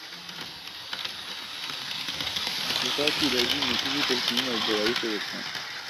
زکوۃ کی ادئیگی نیکی کی تلقین اور برائی سے روکنا